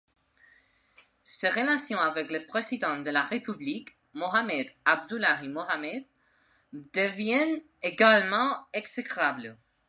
Ses relations avec le président de la République, Mohamed Abdullahi Mohamed, deviennent également exécrables.